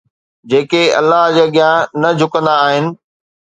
جيڪي الله جي اڳيان نه جهڪندا آهن